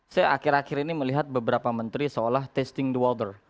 saya akhir akhir ini melihat beberapa menteri seolah testing the walter